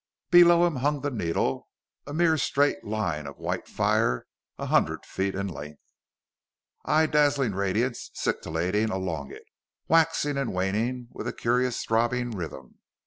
Below him hung the needle, a mere straight line of white fire, a hundred feet in length. Eye dazzling radiance scintillated along it, waxing and waning with a curious throbbing rhythm.